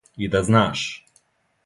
И да знаш!